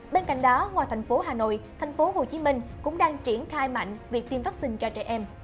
bên cạnh đó ngoài thành phố hà nội thành phố hồ chí minh cũng đang triển khai mạnh việc tiêm vaccine cho trẻ em